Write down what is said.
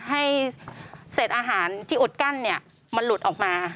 ให้เศษอาหารที่อุดกั้นมันหลุดออกมา